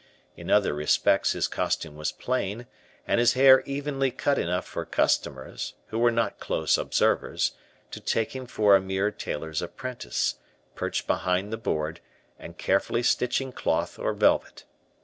In other respects his costume was plain, and his hair evenly cut enough for customers, who were not close observers, to take him for a mere tailor's apprentice, perched behind the board, and carefully stitching cloth or velvet.